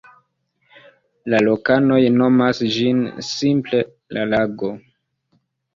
La lokanoj nomas ĝin simple "la lago".